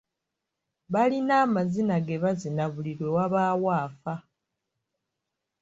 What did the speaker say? Balina amazina ge bazina buli lwe wabaawo afa.